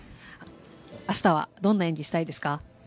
明日はどんな演技をしたいですか。